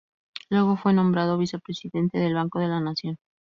Luego fue nombrado Vicepresidente del Banco de la Nación.